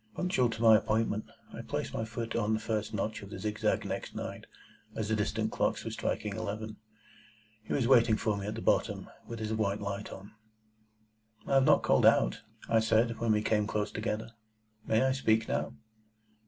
Punctual to my appointment, I placed my foot on the first notch of the zigzag next night, as the distant clocks were striking eleven. He was waiting for me at the bottom, with his white light on. "I have not called out," I said, when we came close together; "may I speak now?"